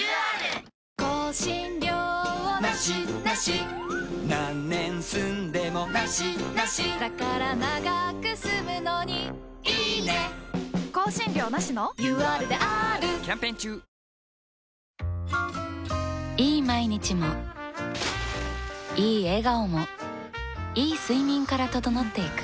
ぶどう１房の中でいい毎日もいい笑顔もいい睡眠から整っていく